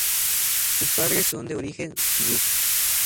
Sus padres son de origen ruso.